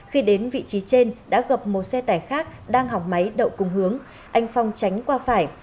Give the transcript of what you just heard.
khi đến vị trí trên đã gặp một xe tải khác đang hỏng máy đậu cùng hướng anh phong tránh qua phải